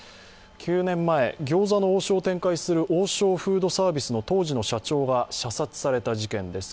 ９年前、餃子の王将を展開する王将フードサービスの当時の社長が射殺された事件です。